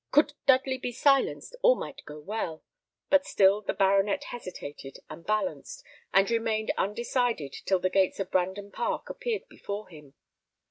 Could Dudley be silenced, all might go well; but still the baronet hesitated and balanced, and remained undecided till the gates of Brandon Park appeared before him.